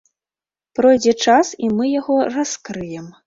Пройдзе час, і мы яго раскрыем.